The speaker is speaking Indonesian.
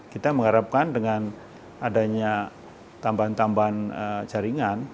kita mengharapkan dengan adanya tambahan tambahan jaringan